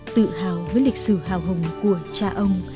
tự hào với lịch sử hào hùng của cha ông